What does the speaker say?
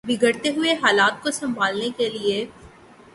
بگڑتے ہوئے حالات کو سنبھالنے کے لیے